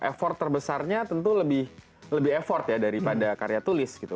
effort terbesarnya tentu lebih effort ya daripada karya tulis gitu